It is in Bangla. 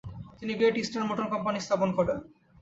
তিনি গ্রেট ইষ্টার্ন মোটর কোম্পানি স্থাপন করেন।